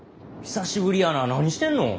久しぶりやな何してんの。